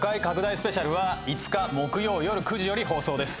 スペシャルは５日木曜よる９時より放送です